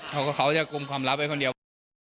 เขาก็จะกลุ่มความลับไว้คนเดียว